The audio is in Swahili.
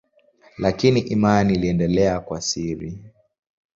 Lakini imani iliendelea kwa siri.